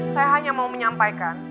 saya hanya mau menyampaikan